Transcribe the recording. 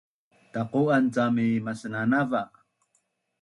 Taqu’an cam mi masnanava